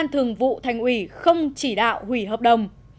thường vụ thành ủy không chỉ đạo hủy hợp đồng